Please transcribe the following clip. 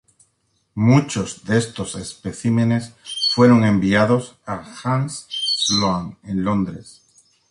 Muchos de estos especímenes fueron enviados a Hans Sloane en Londres.